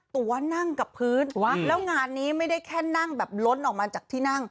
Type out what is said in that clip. ตัวนั่งกับพื้นวะแล้วงานนี้ไม่ได้แค่นั่งแบบล้นออกมาจากที่นั่ง